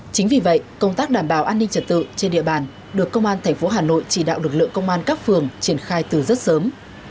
chính vì vậy công tác đảm bảo an ninh trật tự trên địa bàn được công an tp hà nội chỉ đạo lực lượng công an các phường triển khai từ rất sớm